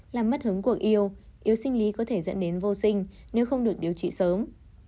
làm mất hướng cuộc yêu yếu sinh lý có thể dẫn đến vô sinh nếu không được điều trị sớm